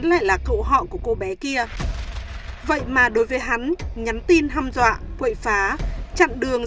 lại là cậu họ của cô bé kia vậy mà đối với hắn nhắn tin ham dọa quậy phá chặn đường